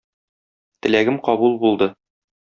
Теләгем кабул булды.